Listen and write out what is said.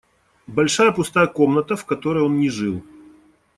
Большая пустая комната, в которой он не жил.